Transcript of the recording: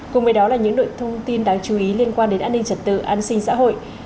cùng với đó là những nội thông tin đáng chú ý liên quan đến an ninh trật tự an sinh xã hội